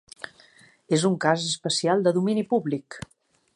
És un cas especial de domini públic.